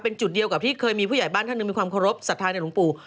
เป็นจุดเดียวกับที่เคยมีผู้ใหญ่บ้านท่านหนึ่งมีความเคารพสัทธาในหลวงปู่